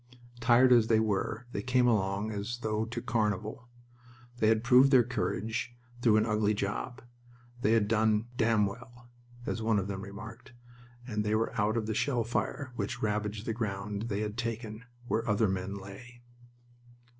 Tired as they were, they came along as though to carnival. They had proved their courage through an ugly job. They had done "damn well," as one of them remarked; and they were out of the shell fire which ravaged the ground they had taken, where other men lay.